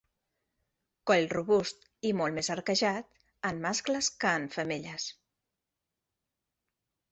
Coll robust i molt més arquejat en mascles que en femelles.